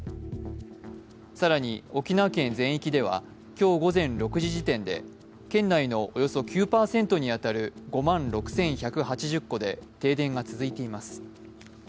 更に、沖縄県全域では今日午前６時時点で県内のおよそ９％に当たる５万６１８０戸で停電が続いています。